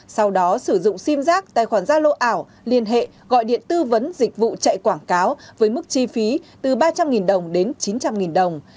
sau đó sử dụng sim giác tài khoản gia lô ảo liên hệ gọi điện tư vấn dịch vụ chạy quảng cáo với mức chi phí từ ba trăm linh đồng đến chín trăm linh đồng